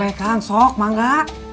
hei nambah dua kang ya